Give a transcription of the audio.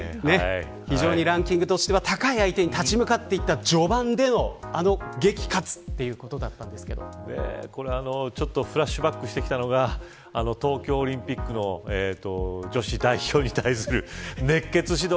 非常にランキングとしては高い相手に立ち向かっていた序盤でのあのげき、活ということだったんですがフラッシュバックしてきたのが東京オリンピックの女子代表に対する熱血指導。